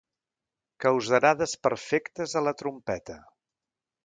Causarà desperfectes a la trompeta.